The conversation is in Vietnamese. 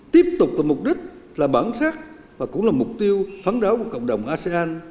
tiếp tục với mục đích là bản sắc và cũng là mục tiêu phán đấu của cộng đồng asean